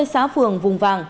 tám mươi xã phường vùng vàng